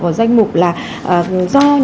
vào danh mục là do nhà nước